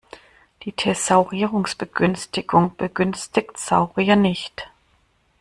Die Thesaurierungsbegünstigung begünstigt Saurier nicht.